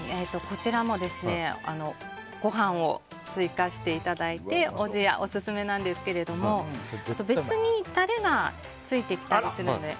こちらもご飯を追加していただいておじやがオススメなんですけど別にタレがついてきたりするので。